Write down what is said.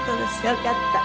よかった。